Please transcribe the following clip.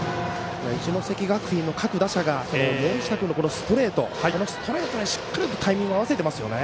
一関学院の各打者が森下君のストレートこのストレートにしっかりとタイミングを合わせていますよね。